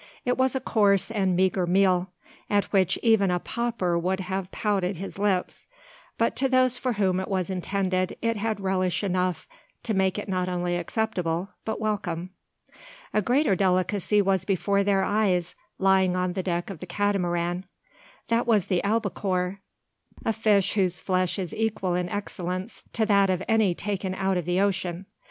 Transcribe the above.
It was a coarse and meagre meal; at which even a pauper would have pouted his lips; but to those for whom it was intended it had relish enough to make it not only acceptable, but welcome. A greater delicacy was before their eyes, lying on the deck of the Catamaran. That was the albacore, a fish whose flesh is equal in excellence to that of any taken out of the ocean.